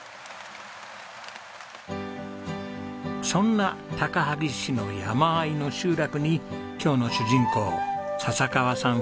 そんな高萩市の山あいの集落に今日の主人公笹川さん